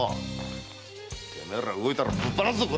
てめえら動いたらぶっ放すぞ！